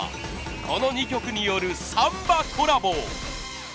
この２曲によるサンバコラボ。